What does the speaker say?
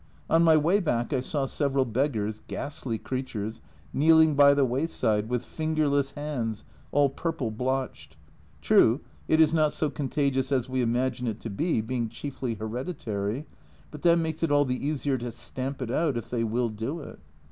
On my way back I saw several beggars, ghastly creatures, kneeling by the wayside, with fingerless hands, all purple blotched. True, it is not so contagious as we imagine it to be, being chiefly hereditary, but that makes it all the easier to stamp out if they will do it.